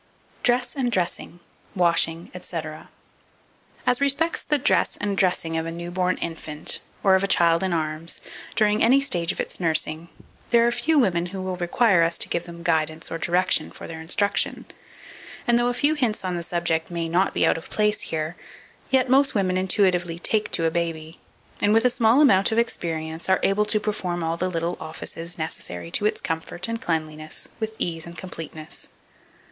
Dress and Dressing, Washing, &c. 2491. As respects the dress and dressing of a new born infant, or of a child in arms, during any stage of its nursing, there are few women who will require us to give them guidance or directions for their instruction; and though a few hints on the subject may not be out of place here, yet most women intuitively "take to a baby," and, with a small amount of experience, are able to perform all the little offices necessary to its comfort and cleanliness with ease and completeness.